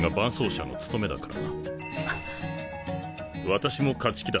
私も勝ち気だ。